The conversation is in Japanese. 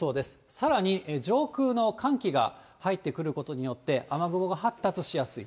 さらに上空の寒気が入ってくることによって、雨雲が発達しやすい。